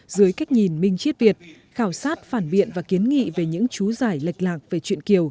dưới cách nhìn minh chiết việt khảo sát phản biện và kiến nghị về những chú giải lệch lạc về chuyện kiều